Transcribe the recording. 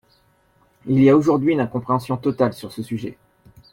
Il y a aujourd’hui une incompréhension totale sur ce sujet.